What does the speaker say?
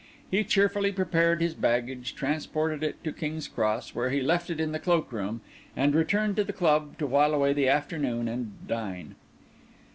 He cheerfully prepared his baggage, transported it to King's Cross, where he left it in the cloak room, and returned to the club to while away the afternoon and dine.